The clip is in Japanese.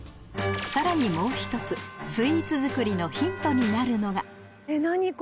さらにもう１つスイーツ作りのヒントになるのが何？